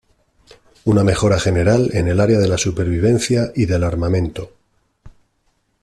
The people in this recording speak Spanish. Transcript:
Una mejora general en el área de la supervivencia y del armamento.